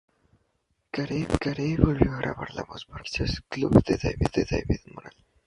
Carey volvió a grabar la voz para los remixes Club de David Morales.